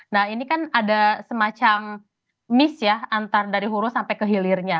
nah ini kan ada semacam miss ya antar dari hulu sampai ke hilirnya